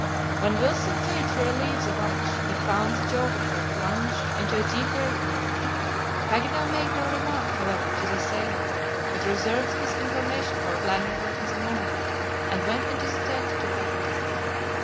When Wilson came to relieve the watch, he found the geographer plunged into a deep reverie. Paganel made no remark, however, to the sailor, but reserved his information for Glenarvan in the morning, and went into the tent to bed.